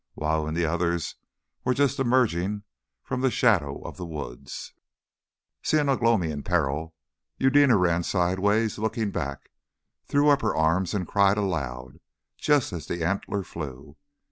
Wau and the others were but just emerging from the shadow of the woods. Seeing Ugh lomi in peril, Eudena ran sideways, looking back, threw up her arms and cried aloud, just as the antler flew.